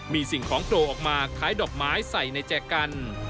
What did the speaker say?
มีสิ่งของโผล่ออกมาคล้ายดอกไม้ใส่ในแจกัน